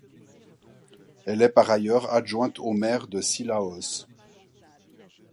Elle est par ailleurs adjointe au maire de Cilaos.